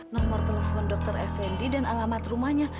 nomor telepon dokter fnd dan alamat rumahnya